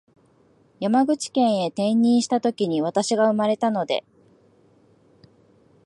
山口県へ転任したときに私が生まれたので